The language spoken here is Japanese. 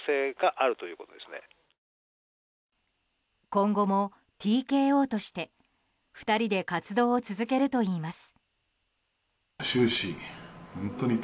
今後もＴＫＯとして２人で活動を続けるといいます。